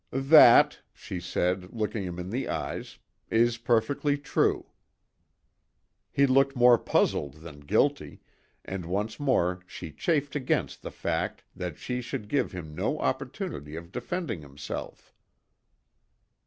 "That," she said, looking him in the eyes, "is perfectly true." He looked more puzzled than guilty, and once more she chafed against the fact that she could give him no opportunity of defending himself.